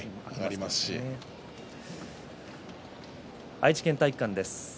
愛知県体育館です。